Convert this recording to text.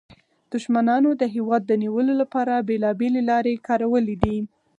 دښمنانو د هېواد د نیولو لپاره بیلابیلې لارې کارولې دي